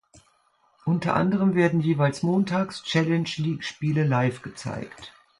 Unter anderem werden jeweils Montags Challenge League-Spiele live gezeigt.